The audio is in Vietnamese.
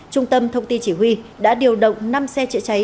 trung tâm thông tin chỉ huy đã điều động năm xe chữa cháy